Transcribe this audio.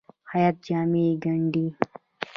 خیاط جامې ګنډي.